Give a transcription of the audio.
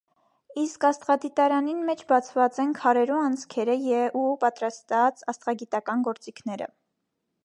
Իսկ աստղադիտարանին մէջ բացուած են քարերու անցքերը ու պատրաստուած՝ աստղագիտական գործիքները։